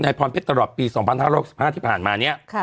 พรเพชรตลอดปี๒๕๖๕ที่ผ่านมาเนี่ย